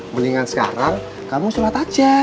mendingan sekarang kamu sholat aja